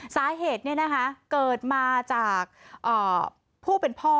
สาเหตุเนี่ยนะคะเกิดมาจากผู้เป็นพ่อ